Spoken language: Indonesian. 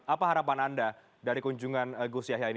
apa harapan anda dari kunjungan gus yahya ini